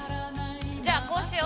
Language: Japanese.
じゃあこうしよう。